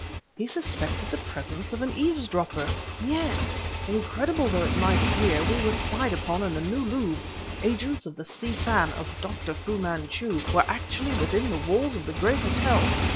He suspected the presence of an eavesdropper! Yes! incredible though it might appear, we were spied upon in the New Louvre; agents of the Si Fan, of Dr. Fu Manchu, were actually within the walls of the great hotel!